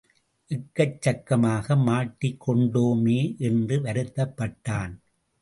எக்கச் சக்கமாக மாட்டிக் கொண்டோமே என்று வருத்தப்பட்டான்.